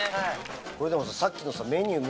これでもささっきの。